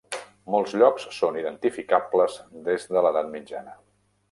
Molts llocs són identificables des de l'Edat Mitjana.